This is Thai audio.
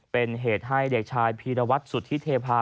เป็นเหตุให้เด็กชายพีรวัตรสุธิเทพา